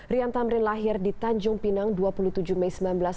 rian tamrin lahir di tanjung pinang dua puluh tujuh mei seribu sembilan ratus enam puluh